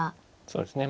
そうですね。